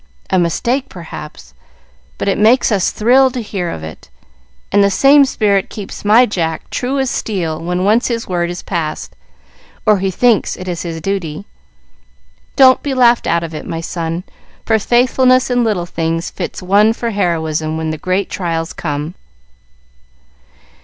A mistake, perhaps, but it makes us thrill to hear of it; and the same spirit keeps my Jack true as steel when once his word is passed, or he thinks it is his duty. Don't be laughed out of it, my son, for faithfulness in little things fits one for heroism when the great trials come.